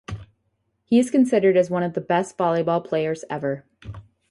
He is considered as one of the best volleyball players ever.